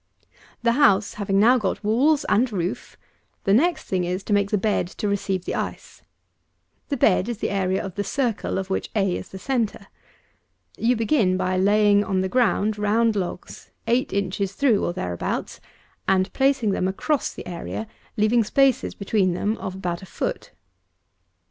The house having now got walls and roof, the next thing is to make the bed to receive the ice. This bed is the area of the circle of which a is the centre. You begin by laying on the ground round logs, eight inches through, or thereabouts, and placing them across the area, leaving spaces between them of about a foot.